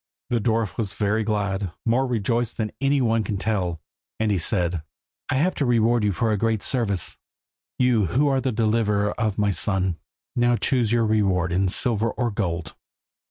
The dwarf was very glad, more rejoiced than any one can tell, and he said "I have to reward you for a great service, you who are the deliverer of my son. Now choose your reward in silver or gold."